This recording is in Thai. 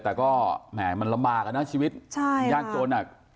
แต่ก็แหม่มันลำบากอ่ะนะชีวิตยากจนอ่ะ